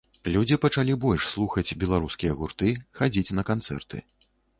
Людзі пачалі больш слухаць беларускія гурты, хадзіць на канцэрты.